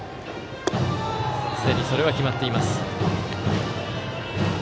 すでにそれは決まっています。